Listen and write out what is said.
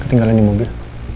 ketinggalan di mobil